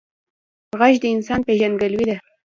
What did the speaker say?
غږ د انسان پیژندګلوي ده